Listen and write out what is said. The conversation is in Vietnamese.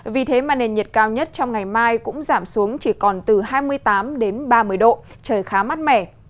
vì thế mà nền nhiệt cao nhất trong ngày mai cũng giảm xuống chỉ còn từ hai mươi tám đến ba mươi độ trời khá mát mẻ